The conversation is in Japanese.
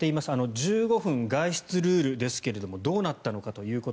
１５分外出ルールですがどうなったのかと。